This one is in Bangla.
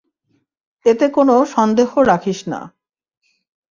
এতে কোনো সন্দেহ রাখিস না।